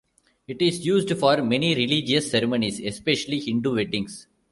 It is used for many religious ceremonies, especially Hindu weddings.